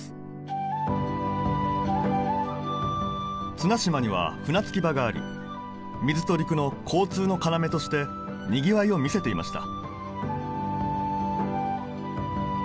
綱島には船着き場があり水と陸の交通の要としてにぎわいを見せていました